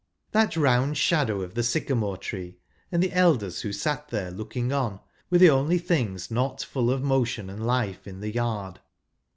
That round shadow of the syca¬ more tree, and the elders who sat there looking on, were the only things not full of motion and life in the yard.